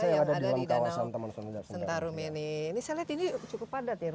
danau sentarum ini